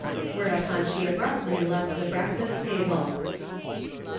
Whereupon she abruptly left the breakfast table.